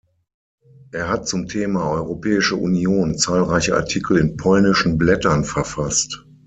Er hat zum Thema Europäische Union zahlreiche Artikel in polnischen Blättern verfasst.